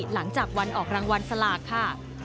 หลังจากวันออกรางวัลสลากค่ะ